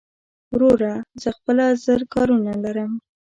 وروره زه خپله زر کارونه لرم